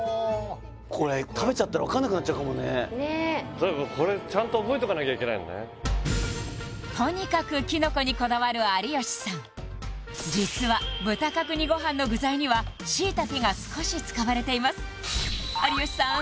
これ食べちゃったら分かんなくなっちゃうかもねというかこれちゃんと覚えておかなきゃいけないんだねとにかく実は豚角煮ごはんの具材にはしいたけが少し使われています有吉さん